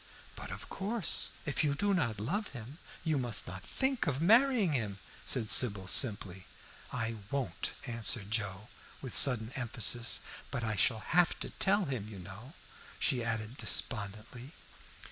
"But of course, if you do not love him, you must not think of marrying him," said Sybil, simply. "I won't," answered Joe, with sudden emphasis. "But I shall have to tell him, you know," she added despondently.